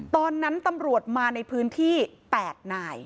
ตอนนั้นตำรวจมาในพื้นที่๘นาย